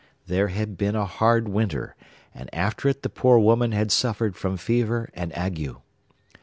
There had been a hard winter, and after it the poor woman had suffered from fever and ague.